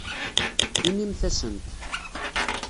Inimt-asent.